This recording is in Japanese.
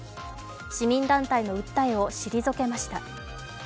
市民団体の訴えを退けました。